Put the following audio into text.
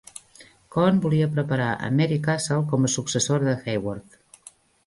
Cohn volia preparar a Mary Castle com a successora de Hayworth.